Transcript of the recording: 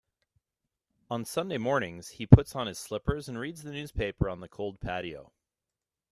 On Sunday mornings, he puts on his slippers and reads the newspaper on the cold patio.